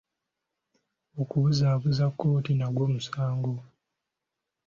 Okubuzaabuza kkooti nagwo musango.